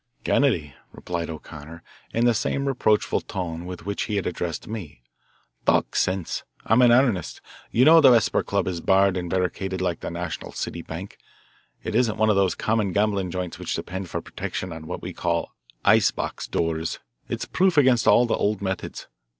"Kennedy," replied O'Connor in the same reproachful tone with which he had addressed me, "talk sense. I'm in earnest. You know the Vesper Club is barred and barricaded like the National City Bank. It isn't one of those common gambling joints which depend for protection on what we call 'ice box doors.' It's proof against all the old methods.